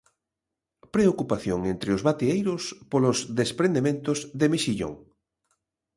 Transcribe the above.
Preocupación entre os bateeiros polos desprendementos de mexillón.